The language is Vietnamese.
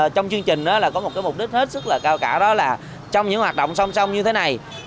trong chương trình có một mục đích hết sức là cao cả đó là trong những hoạt động song song như thế này